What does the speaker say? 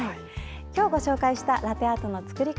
今日ご紹介したラテアートの作り方